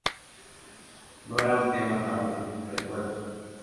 No era un tema tabú", recuerda.